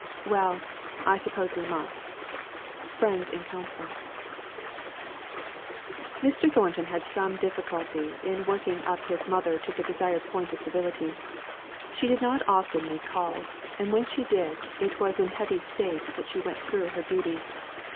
"Well I suppose we must." FRIENDS IN COUNCIL. Mr. Thornton had had some difficulty in working up his mother to the desired point of civility. She did not often make calls; and when she did, it was in heavy state that she went through her duties.